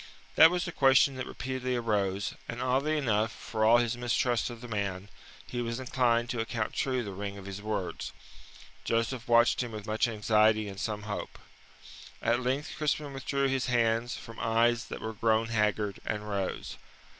That was the question that repeatedly arose, and oddly enough, for all his mistrust of the man, he was inclined to account true the ring of his words. Joseph watched him with much anxiety and some hope. At length Crispin withdrew his hands from eyes that were grown haggard, and rose.